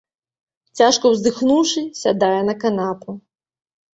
Цяжка ўздыхнуўшы, сядае на канапу.